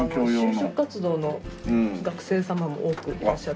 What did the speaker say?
就職活動の学生様も多くいらっしゃって。